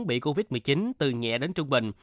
bị covid một mươi chín từ nhẹ đến trung bình